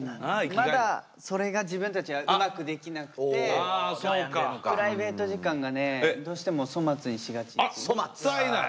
まだそれが自分たちはうまくできなくてプライベート時間がねどうしても粗末にしがちっていうか。あもったいない。